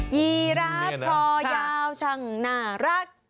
ยีรัฐพอยาวช่างน่ารัก